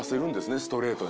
ストレートに。